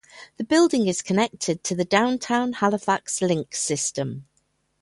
The building is connected to the Downtown Halifax Link system.